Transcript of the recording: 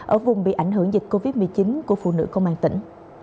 ở vùng bị ảnh hưởng dịch covid một mươi chín của phụ nữ công an tỉnh